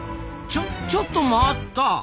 ちょちょっと待った！